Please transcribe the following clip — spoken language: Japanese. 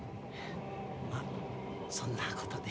まあそんなことで。